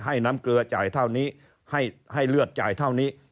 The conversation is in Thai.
ให้น้ำเกลือจ่ายเท่านี้ให้เลือดจ่ายเท่านี้